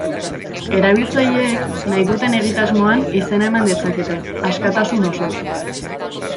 Erabiltzaileek, nahi duten egitasmoan izena eman dezakete, askatasun osoz.